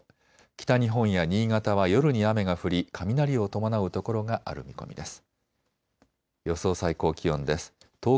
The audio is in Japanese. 北日本や新潟は夜に雨が降り雷を伴うところがある見込みです。